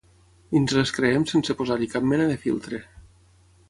i ens les creiem sense posar-hi cap mena de filtre